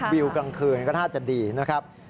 วิวกลางคืนก็ท่าจะดีนะครับ